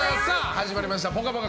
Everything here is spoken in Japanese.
始まりました「ぽかぽか」